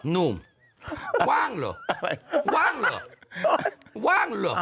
นุ่มว่างเหรอ